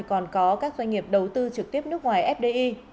còn có các doanh nghiệp đầu tư trực tiếp nước ngoài fdi